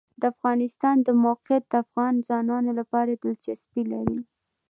د افغانستان د موقعیت د افغان ځوانانو لپاره دلچسپي لري.